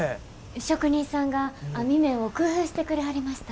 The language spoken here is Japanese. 職人さんが網目を工夫してくれはりました。